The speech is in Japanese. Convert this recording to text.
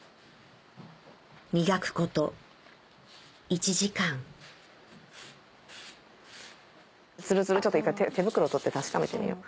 磨くこと１時間ちょっと一回手袋取って確かめてみよう。